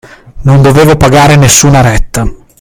Non dovevo pagare nessuna retta,